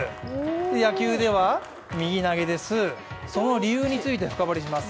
野球では、右投げです、その理由について深掘りします。